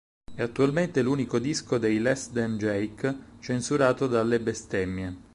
È attualmente l'unico disco dei Less Than Jake censurato dalle bestemmie.